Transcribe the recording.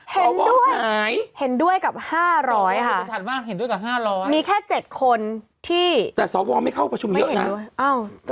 เห็นด้วยเห็นด้วยกับ๕๐๐ค่ะมีแค่๗คนที่แต่สอวไม่เข้าประชุมเลือกน่ะ